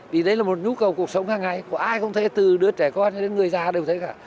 vì đấy là một nhu cầu cuộc sống hàng ngày của ai cũng thế từ đứa trẻ con đến người già đều thế cả